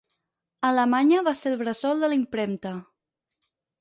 Alemanya va ser el bressol de la impremta.